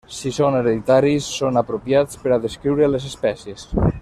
Si són hereditaris, són apropiats per a descriure les espècies.